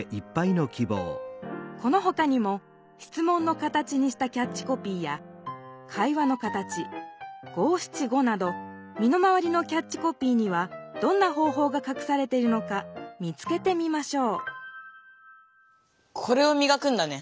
このほかにも「質問の形」にしたキャッチコピーや「会話の形」「五七五」などみの回りのキャッチコピーにはどんな方法がかくされているのか見つけてみましょうこれをみがくんだね。